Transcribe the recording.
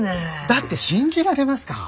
だって信じられますか？